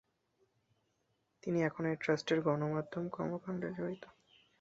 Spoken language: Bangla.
তিনি এখনও এ ট্রাস্টের গণমাধ্যম কার্যক্রমে জড়িত।